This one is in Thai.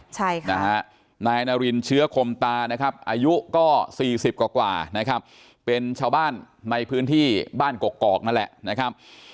ใช่ค่ะนะฮะนายนารินเชื้อคมตานะครับอายุก็สี่สิบกว่านะครับเป็นชาวบ้านในพื้นที่บ้านกกอกนั่นแหละนะครับ